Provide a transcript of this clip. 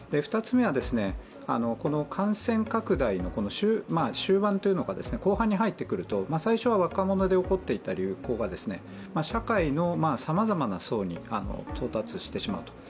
２つ目は、この感染拡大の終盤というのか、後半に入ってくると最初は若者で起こっていた流行が社会のさまざまな層に到達してしまう。